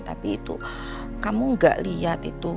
tapi itu kamu gak lihat itu